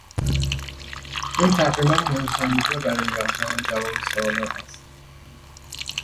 این تقریبا مهمترین جا برای یافتن جواب سوالات است.